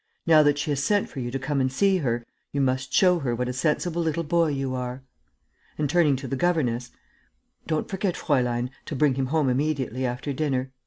Now that she has sent for you to come and see her, you must show her what a sensible little boy you are." And, turning to the governess, "Don't forget, Fräulein, to bring him home immediately after dinner....